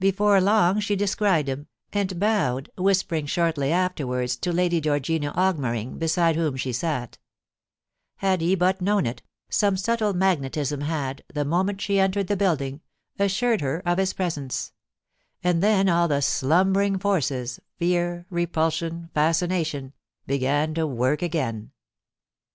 Before long she descried him, and bowed, whispering shortly afterwards to Lady Cxeorgina Augmering beside whom she saL Had he but known it, some subtle mag netism had, the moment she entered the building, assured her of his presence ; and then all the slumbering forces — fear, repulsion, fascination — began to work again.